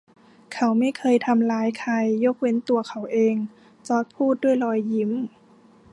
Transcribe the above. “เขาไม่เคยทำร้ายใคร ยกเว้นตัวเขาเอง” จอร์จพูดด้วยรอยยิ้ม